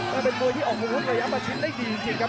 ก็เป็นมอรุณที่ออกชุมฮุดระยะประชิดได้ดีจริงนะครับ